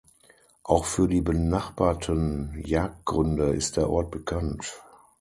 Auch für die benachbarten Jagdgründe ist der Ort bekannt.